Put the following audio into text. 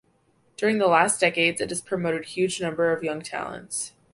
During the last decades it has promoted huge number of young talents.